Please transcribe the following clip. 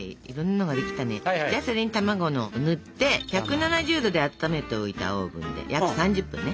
じゃあそれに卵の塗って１７０℃で温めておいたオーブンで約３０分ね。